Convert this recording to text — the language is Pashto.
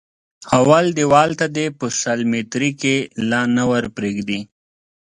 اول دېوال ته دې په سل ميتري کې لا نه ور پرېږدي.